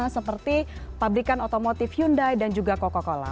seperti pabrikan otomotif hyundai dan juga coca cola